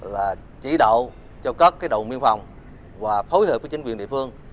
là chỉ đạo cho cất cái đồ miên phòng và phối hợp với chính viên địa phương